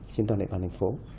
trên toàn địa bàn thành phố